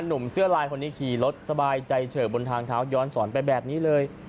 หนุ่มเสื้อลายคนนี้ขี่รถสบายใจเฉิบบนทางเท้าย้อนสอนไปแบบนี้เลย